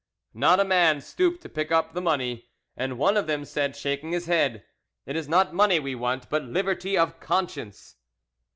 Not a man stooped to pick the money up, and one of them said, shaking his head, "It is not money we want, but liberty of conscience."